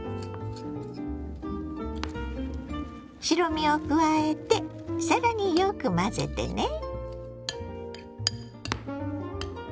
白身を加えて更によく混ぜてね。